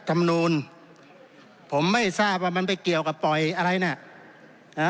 ธรรมนูลผมไม่ทราบว่ามันไปเกี่ยวกับปล่อยอะไรน่ะนะ